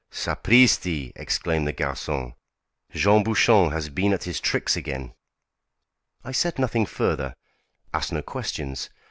"Sapristi!" exclaimed the garçon; "Jean Bouchon has been at his tricks again." I said nothing further; asked no questions.